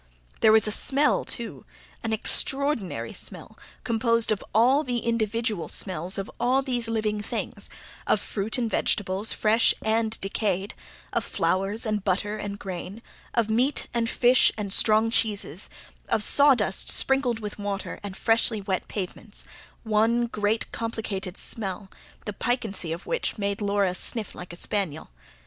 There was a smell, too, an extraordinary smell, composed of all the individual smells of all these living things: of fruit and vegetables, fresh and decayed; of flowers, and butter, and grain; of meat, and fish, and strong cheeses; of sawdust sprinkled with water, and freshly wet pavements one great complicated smell, the piquancy of which made Laura sniff like a spaniel.